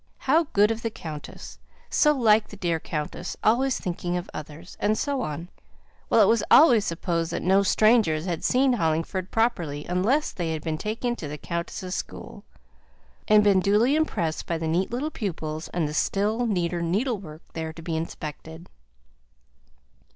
"How good of the countess! So like the dear countess always thinking of others!" and so on; while it was always supposed that no strangers had seen Hollingford properly, unless they had been taken to the countess's school, and been duly impressed by the neat little pupils, and the still neater needlework there to be inspected.